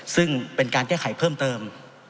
ซึ่งเป็นการแก้ไขเพิ่มเติม